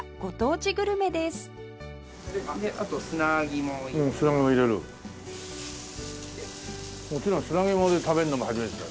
もちろん砂肝で食べるのが初めてだよ。